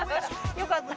よかった。